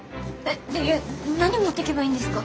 えっ何持ってけばいいんですか？